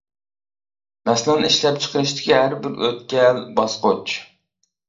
مەسىلەن ئىشلەپچىقىرىشتىكى ھەر بىر ئۆتكەل، باسقۇچ.